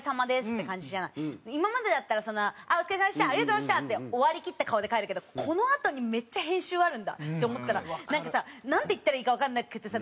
「ありがとうございました」って終わりきった顔で帰るけどこのあとにめっちゃ編集あるんだって思ったらなんかさなんて言ったらいいかわかんなくてさ。